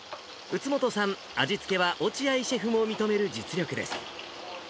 宇津本さん、味付けは落合シェフも認める実力です。